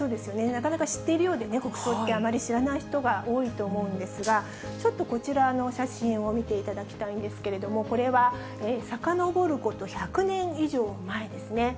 なかなか知ってるようでね、国葬ってあまり知らない人が多いと思うんですが、ちょっとこちらの写真を見ていただきたいんですけれども、これは、さかのぼること１００年以上前ですね。